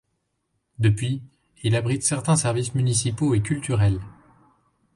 Depuis, il abrite certains services municipaux et culturels.